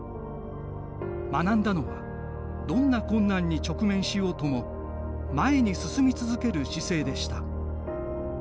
学んだのはどんな困難に直面しようとも前に進み続ける姿勢でした。